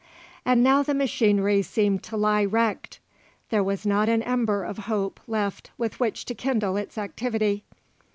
And now the machinery seemed to lie wrecked. There was not an ember of hope left with which to kindle its activity.